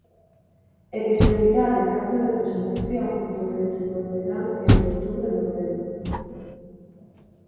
E que servirá de carta de presentación do que desenvolverán entre outubro e novembro.